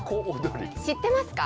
知ってますか？